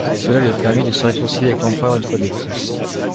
Cela lui a permis de se réconcilier avec l'empereur une fois de plus.